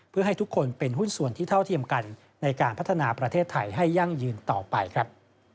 เพื่อให้ทุกคนเป็นหุ้นส่วนที่เท่าเทียมกันในการพัฒนาประเทศไทยให้ยั่งยืนต่อไปครับ